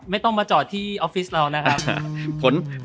ไม่ต้องมาจอดที่ออฟฟิศเรานะครับ